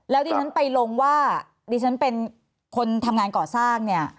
แล้วดิฉันไปลงว่าดิฉันเป็นคนทำงานก่อสร้างเนี่ย